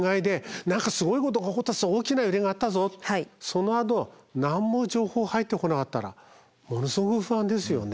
そのあと何も情報入ってこなかったらものすごく不安ですよね。